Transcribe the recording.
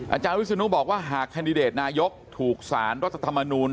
อาจารย์วิศนุบอกว่าหากแคนดิเดตนายกถูกสารรัฐธรรมนูล